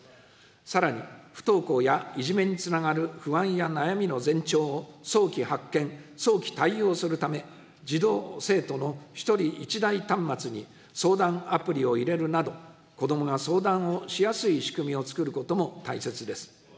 さらに、不登校やいじめにつながる不安や悩みの前兆を早期発見、早期対応するため、児童・生徒の１人１台端末に相談アプリを入れるなど、こどもが相談しやすい仕組みをつくることも大切です。